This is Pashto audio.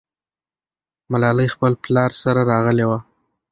ملالۍ خپل پلار سره راغلې وه.